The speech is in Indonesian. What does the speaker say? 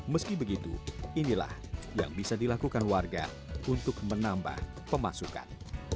meski begitu inilah yang bisa dilakukan warga untuk menambah pemasukan